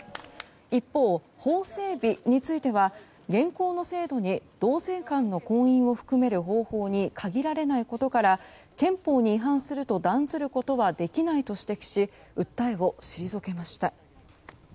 一方、法整備については現行の制度に同性間の婚姻を含める方法に限られないことから憲法に違反すると断ずることはできないと指摘し訴えを退けました。